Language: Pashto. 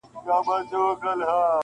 o پر خره سپور دئ، خر ځني ورک دئ!